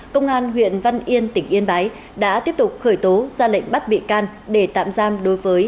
công an huyện văn yên tỉnh yên bái đã tiếp tục khởi tố ra lệnh bắt bị cao